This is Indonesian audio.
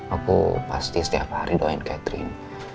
aku pasti setiap hari doain catherine